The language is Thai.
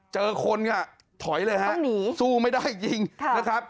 เจอคนก็ถอยเลยฮะสู้ไม่ได้จริงนะครับ